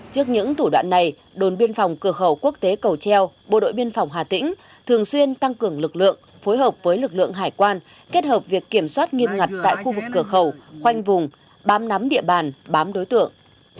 chúng tôi sẽ tiếp tục phối hợp với lực lượng hải quan kết hợp việc kiểm soát nghiêm ngặt tại khu vực cửa khẩu khoanh vùng bám nắm địa bàn bám đối tượng